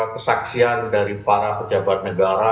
kesaksian dari para pejabat negara